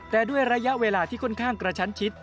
แต่ด้วยระยะเวลาที่ค่อนข้างกระชั้นชิด